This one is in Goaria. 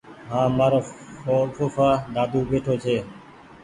هآنٚ مآرو ڦوڦآ دادو ٻيٺو ڇي